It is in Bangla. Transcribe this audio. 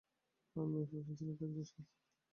আমি ম্যাপে পেনসিলের দাগ দিয়ে সমস্ত ব্যবস্থা করে দেব।